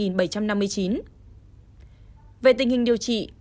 tình hình điều trị